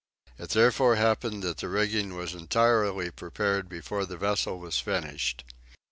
It therefore happened that the rigging was entirely prepared before the vessel was finished.